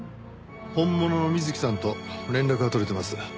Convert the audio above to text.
本物の美月さんと連絡が取れてます。